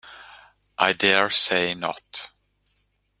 I dare say not.